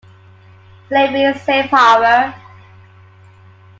"Slavery Safe Harbor".